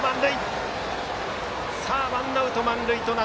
ワンアウト満塁。